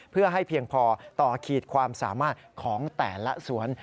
เพื่อให้เพียงพอต่อขีดความสามารถของแต่ละสวน